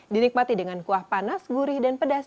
dinikmati dengan kuah panas gurih dan pedas